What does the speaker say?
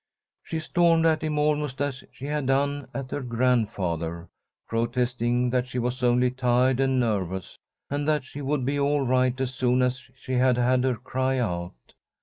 She stormed at him almost as she had done at her grandfather, protesting that she was only tired and nervous, and that she would be all right as soon as she had had her cry out.